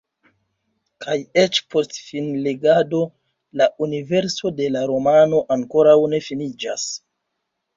Kaj eĉ post finlegado la universo de la romano ankoraŭ ne finiĝas.